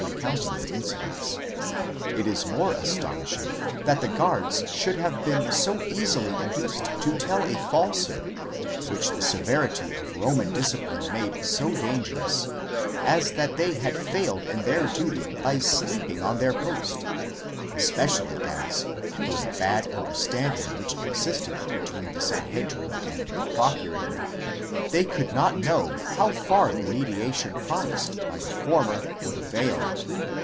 recounting the incidents. It is more astonishing that the guards should have been so easily induced to tell a false 'hood which the severity of Roman discipline made so dangerous, as that they had failed in their duty by sleeping on their post; especially as, from the bad understanding which existed between the Sanhedrim and the procurator, they could not know how far the mediation promised by the former would avail.